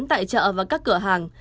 tại chợ và các cửa hàng